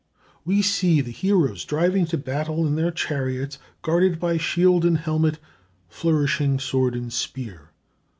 We see the heroes driving to battle in their chariots, guarded by shield and helmet, flourishing sword and spear.